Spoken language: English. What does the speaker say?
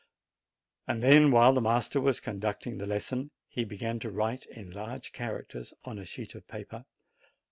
Then, while the master was conducting the lesson, he began to write in large characters on a sheet of paper.